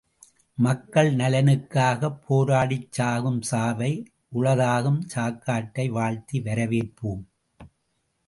மக்கள் நலனுக்காகப் போராடிச் சாகும் சாவை உளதாகும் சாக்காட்டை வாழ்த்தி வரவேற்போம்!